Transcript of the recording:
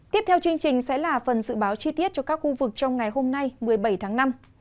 tiếp theo chương trình sẽ là phần dự báo chi tiết cho các khu vực trong ngày hôm nay một mươi bảy tháng năm